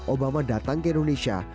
obama datang ke indonesia